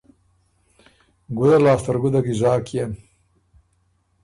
”ګُده لاسته ر ګُده کی زاک يېن۔